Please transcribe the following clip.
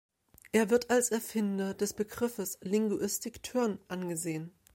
Er wird als Erfinder des Begriffes "linguistic turn" angesehen.